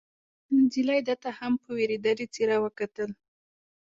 نجلۍ ده ته هم په وېرېدلې څېره وکتل.